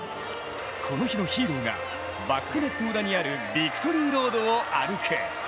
この日のヒーローがバックネット裏にあるビクトリーロードを歩く。